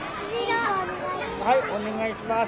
はいお願いします。